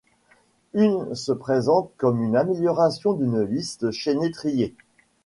Une ' se présente comme une amélioration d'une liste chaînée triée.